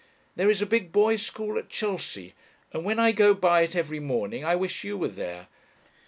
There is a big boys' school at Chelsea, and when I go by it every morning I wish you were there.